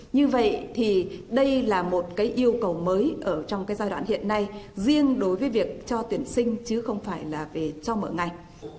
như vậy thì đây là một cái yêu cầu mới ở trong cái giai đoạn hiện nay riêng đối với việc cho tuyển sinh chứ không phải là về cho mở ngành